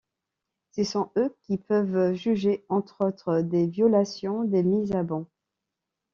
Ce sont eux qui peuvent juger, entre autres, des violations des mises à ban.